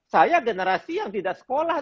saya generasi yang tidak sekolah